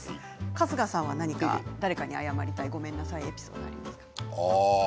春日さんは何か誰かに謝りたいごめんなさいエピソードはありますか？